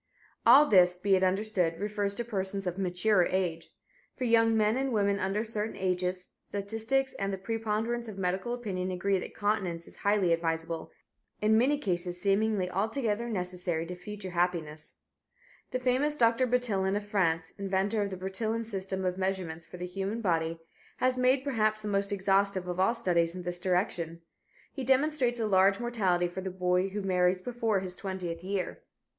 All this, be it understood, refers to persons of mature age. For young men and women under certain ages, statistics and the preponderance of medical opinion agree that continence is highly advisable, in many cases seemingly altogether necessary to future happiness. The famous Dr. Bertillon, of France, inventor of the Bertillon system of measurements for the human body, has made, perhaps, the most exhaustive of all studies in this direction. He demonstrates a large mortality for the boy who marries before his twentieth year.